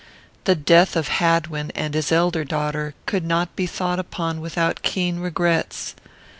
The death of Hadwin and his elder daughter could not be thought upon without keen regrets.